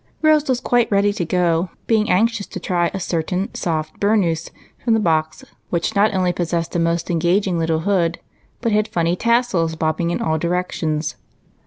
Rose was quite ready to go, being anxious to try a certain soft bur nous from the box, which not only possessed a most engaging little hood, but had funny tassels bobbing in all directions.